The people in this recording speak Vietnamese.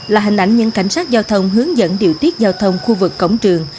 là hình ảnh những cảnh sát giao thông hướng dẫn điều tiết giao thông khu vực cổng trường